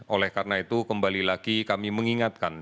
oleh karena itu kembali lagi kami mengingatkan